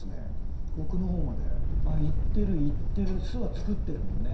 あっ行ってる行ってる巣は作ってるもんね。